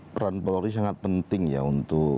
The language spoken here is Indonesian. peran polri sangat penting ya untuk